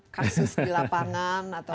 kasus di lapangan atau